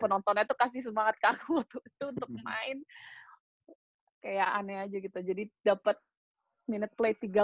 penontonnya itu kasih semangat ke aku untuk main kayak aneh aja gitu jadi dapet minute play tiga